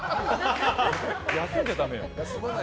休んじゃダメよ。